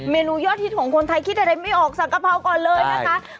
เมนูยอดฮิตของคนไทยคิดอะไรไม่ออกสั่งกะเพราก่อนเลยนะคะ